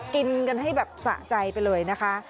กินกันให้แบบสะใจไปเลยนะคะ